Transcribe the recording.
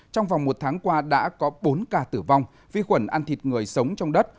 trong vòng một tháng qua đã có bốn ca tử vong vi khuẩn ăn thịt người sống trong đất